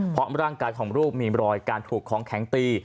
เพราะร่างกายของลูกมีรอยการถูกของแข็งตี